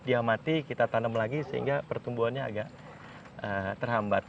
dia mati kita tanam lagi sehingga pertumbuhannya agak terhambat